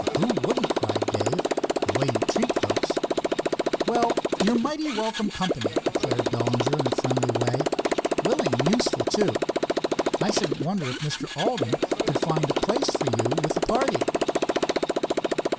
"Who wouldn't!" cried Dave—"the way you treat folks." "Well, you're mighty welcome company," declared Dollinger in a friendly way. "Willing and useful, too. I shouldn't wonder if Mr. Alden could find a place for you with the party."